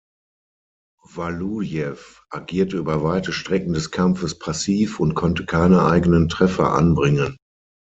Walujew agierte über weite Strecken des Kampfes passiv und konnte keine eigenen Treffer anbringen.